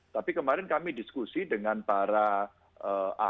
tapi kemarin kami diskusi dengan para ahli ya mereka para epidemiolog